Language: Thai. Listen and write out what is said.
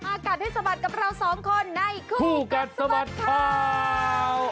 อากาศให้สะบัดกับเราสองคนในคู่กัดสะบัดข่าว